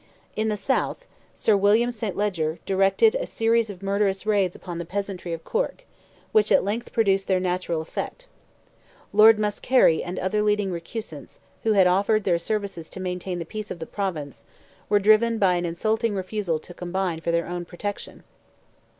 In the South, Sir William St. Leger directed a series of murderous raids upon the peasantry of Cork, which at length produced their natural effect. Lord Muskerry and other leading recusants, who had offered their services to maintain the peace of the Province, were driven by an insulting refusal to combine for their own protection.